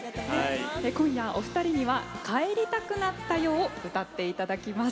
今夜、お二人には「帰りたくなったよ」を歌っていただきます。